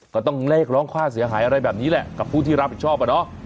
ก็ต้องเรียกร้องค่าเสียหายอะไรแบบนี้แหละกับผู้ที่รับผิดชอบอะเนาะ